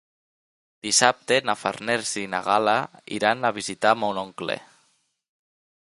Dissabte na Farners i na Gal·la iran a visitar mon oncle.